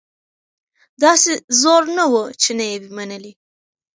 داسي زور نه وو چي نه یې وي منلي